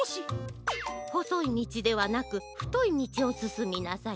ほそいみちではなくふといみちをすすみなさい。